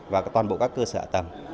và toàn bộ các cơ sở ở tầng